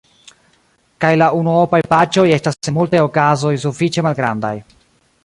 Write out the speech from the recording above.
Kaj la unuopaj paĝoj estas en multaj okazoj sufiĉe malgrandaj.